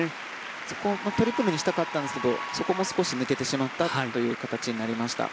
そこをトリプルにしたかったんですがそこも少し抜けてしまったという形になりました。